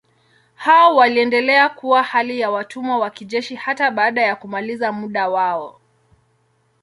Hao waliendelea kuwa hali ya watumwa wa kijeshi hata baada ya kumaliza muda wao.